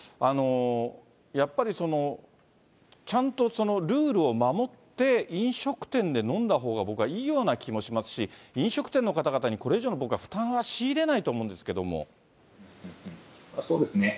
やっぱりちゃんとルールを守って、飲食店で飲んだほうが、僕はいいような気もしますし、飲食店の方々にこれ以上の僕は負担は強いれないと思うんですけどそうですね。